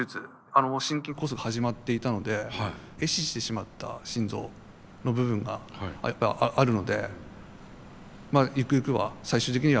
心筋梗塞が始まっていたので壊死してしまった心臓の部分がやっぱあるのでゆくゆくは最終的には心臓移植が必要だということで。